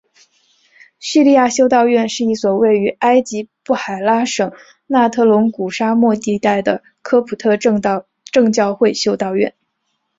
叙利亚修道院是一所位于埃及布海拉省纳特隆谷沙漠地带的科普特正教会修道院。